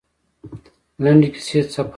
لنډې کیسې څه پند لري؟